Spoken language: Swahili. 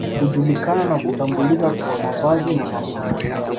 Hujulikana na kutambulika kwa mavazi na mapambo yao